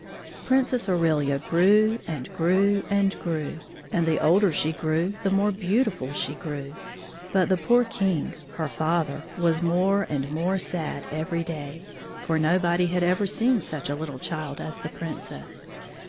Princess Aurelia grew and grew and grew, and the older she grew the more beautiftil she grew. But the poor King, her father, was more and more sad every day. For nobody had ever seen such a little child as the Princess.